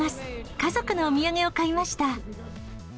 家族のお土産を買いました。